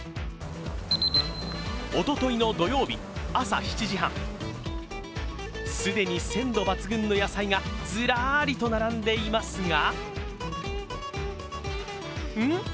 おとといの土曜日朝７時半、既に鮮度抜群の野菜がずらりと並んでいますが、ん？